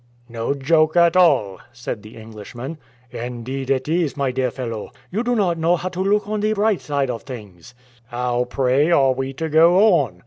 "No joke at all," said the Englishman. "Indeed it is, my dear fellow. You do not know how to look at the bright side of things." "How, pray, are we to go on?"